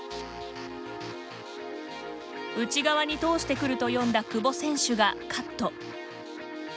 内側に通してくると読んだ久保選手がカット。